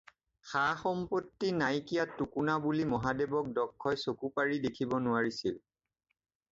সা-সম্পত্তি নাইকিয়া টোকোনা বুলি মহাদেৱক দক্ষই চকু পাৰি দেখিব নোৱাৰিছিল।